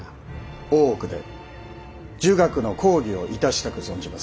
大奥で儒学の講義をいたしたく存じます。